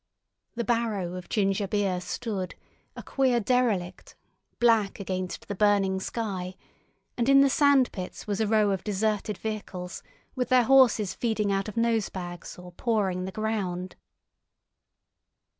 The barrow of ginger beer stood, a queer derelict, black against the burning sky, and in the sand pits was a row of deserted vehicles with their horses feeding out of nosebags or pawing the ground.